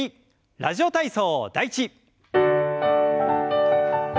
「ラジオ体操第１」。